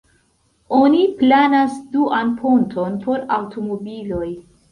Oni planas duan ponton por aŭtomobiloj.